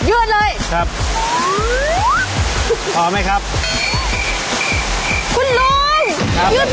ยืดเลยพร้อมไหมครับยืดเลยครับ